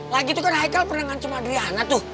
lagi itu kan haikal pernah ngancam adriana tuh